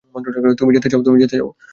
তুমি যেতে চাও?